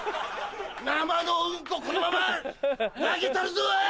生のうんここのまま投げたるぞい！